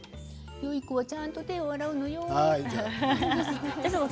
よい子はちゃんと手を洗うのよ。